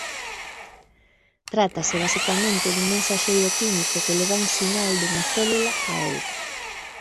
Trátase basicamente dun mensaxeiro químico que leva un sinal dunha célula a outra.